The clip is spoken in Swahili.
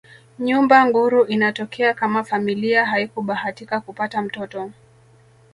Nyumba nguru inatokea kama familia haikubahatika kupata mtoto